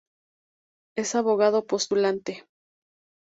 Es abogado postulante.